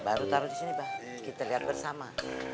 baru taruh di sini pak kita lihat bersama